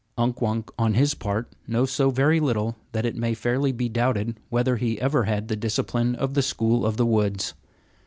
Unk Wunk, on his part, knows so very little that it may fairly be doubted whether he ever had the discipline of the school of the woods.